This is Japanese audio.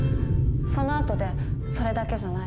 そのあとで「それだけじゃない。